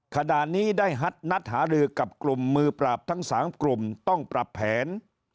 ขณะนี้ได้นัดหารือกับกลุ่มมือปราบทั้ง๓กลุ่มต้องปรับแผน